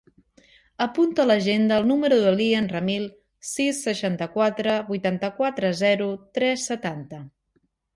Apunta a l'agenda el número de l'Ian Ramil: sis, seixanta-quatre, vuitanta-quatre, zero, tres, setanta.